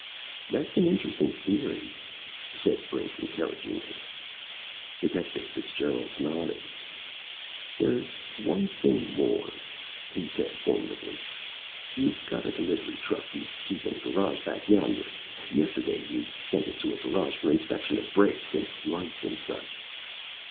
"That's an interesting theory," said Brink encouragingly. Detective Fitzgerald nodded. "There's one thing more," he said formidably. "You got a delivery truck. You keep it in a garage back yonder. Yesterday you sent it to a garage for inspection of brakes an' lights an' such."